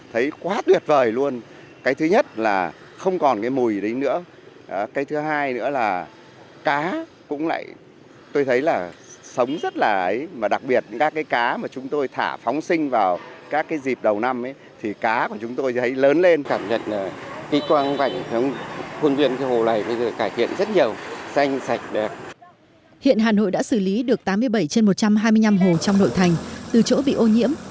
hiện hà nội đã xử lý được tám mươi bảy trên một trăm hai mươi năm hồ trong nội thành từ chỗ bị ô nhiễm